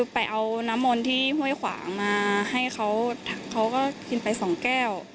ไปเอาน้ำมนต์ที่ห้วยขวางมาให้เขาเขาก็กินไปสองแก้ว